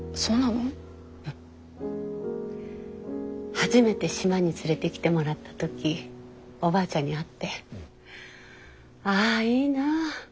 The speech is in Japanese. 初めて島に連れてきてもらった時おばあちゃんに会ってああいいなあ。